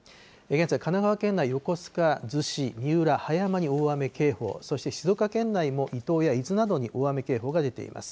現在、神奈川県内、横須賀、逗子、三浦、葉山に大雨警報、そして静岡県内も、伊東や伊豆などに大雨警報が出ています。